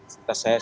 saya masih yakin